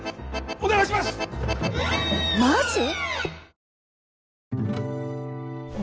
お願いします！